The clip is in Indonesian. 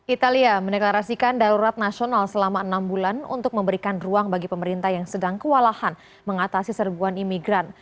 italia mendeklarasikan darurat nasional selama enam bulan untuk memberikan ruang bagi pemerintah yang sedang kewalahan mengatasi serbuan imigran